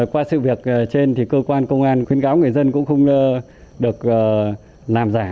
qua sự việc trên thì cơ quan công an khuyến cáo người dân cũng không được làm giả